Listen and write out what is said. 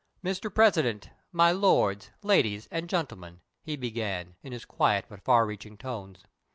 "Mr President, my lords, ladies, and gentlemen," he began, in his quiet, but far reaching tones.